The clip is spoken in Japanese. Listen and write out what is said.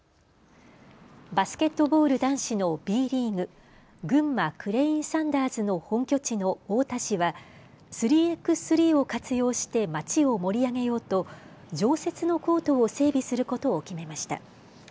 バスケットボール男子のＢリーグ、群馬クレインサンダーズの本拠地の太田市は３×３を活用してまちを盛り上げようと常設のコートを整備することを決めました。